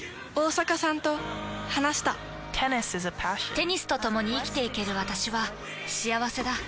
テニスとともに生きていける私は幸せだ。